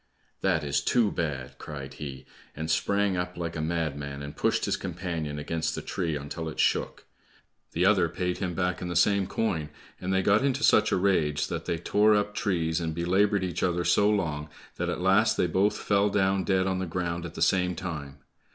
"That is too bad!" cried he, and sprang up like a madman, and pushed his companion against the tree until it shook. The other paid him back in the same coin, and they got into such a rage that they tore up trees and belabored each other so long, that at last they both fell down dead on the ground at the same time.